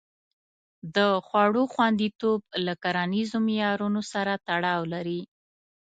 د خوړو خوندیتوب له کرنیزو معیارونو سره تړاو لري.